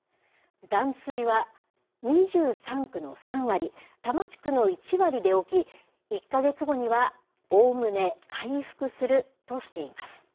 断水は、２３区の３割、多摩地区の１割で起き、１か月後にはおおむね回復するとしています。